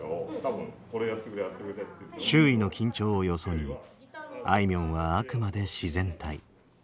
周囲の緊張をよそにあいみょんはあくまで自然体。